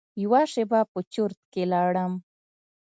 یوه شېبه په چرت کې لاړم.